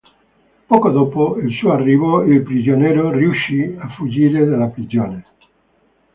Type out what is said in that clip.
Poco dopo il suo arrivo, il prigioniero riuscì a fuggire dalla prigione.